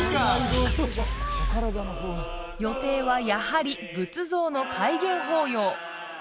予定はやはり仏像の開眼法要